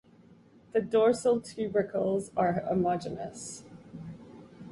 The dorsal tubercles are homogeneous.